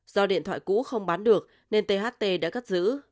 do điện thoại cũ không bán được nên tht đã cất giữ